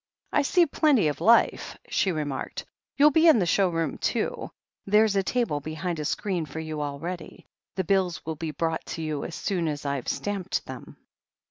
"I see plenty of life," she remarked. "You'll be in the show room too. There's a table behind a screen for you, all ready. The bills will be brought to you as soon as I've stamped them."